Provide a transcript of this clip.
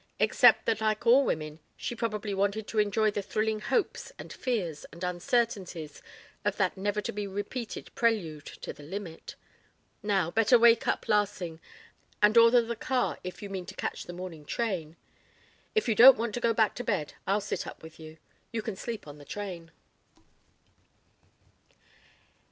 Except that like all women she probably wanted to enjoy the thrilling hopes and fears and uncertainties of that never to be repeated prelude, to the limit. Now, better wake up Larsing and order the car if you mean to catch that morning train. If you don't want to go back to bed I'll sit up with you. You can sleep on the train."